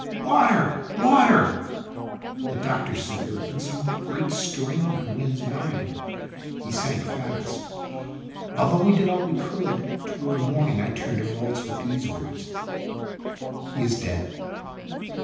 Water! water!" The doctor said there had been some great strain on Wynne's mind. He sank fast, 20 Qtn Itinerant though we did all we could. Toward morning I turned to Volz with the words : "He is dead."